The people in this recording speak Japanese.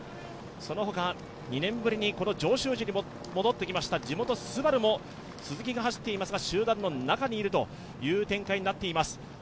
そのほか２年ぶりにこの上州路に戻ってきました鈴木が走っていますがＳＵＢＡＲＵも集団の中にいるという展開になっています。